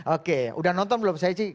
oke udah nonton belum saya sih